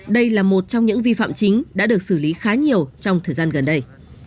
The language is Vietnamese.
đây là một trong những vi phạm chính đã được xử lý khá nhiều trong thời gian gần đây